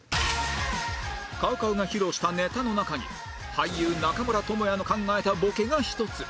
ＣＯＷＣＯＷ が披露したネタの中に俳優中村倫也の考えたボケが１つ